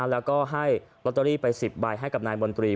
แล้วก็ให้ลอตเตอรี่ไป๑๐ใบให้กับนายมนตรี